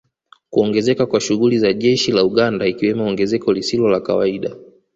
Kuongezeka kwa shughuli za jeshi la Uganda ikiwemo ongezeko lisilo la kawaida